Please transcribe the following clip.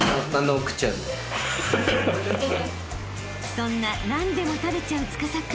［そんな何でも食べちゃう司君］